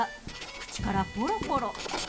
口からポロポロ。